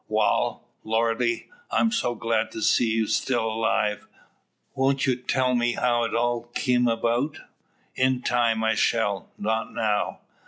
Wal, Lordy! I'm so glad to see ye still alive. Won't ye tell me how it's all kim about?" "In time I shall not now."